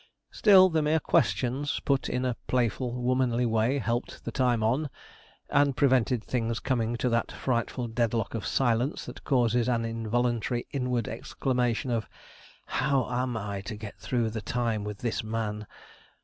Still, the mere questions, put in a playful, womanly way, helped the time on, and prevented things coming to that frightful deadlock of silence, that causes an involuntary inward exclamation of 'How am I to get through the time with this man?'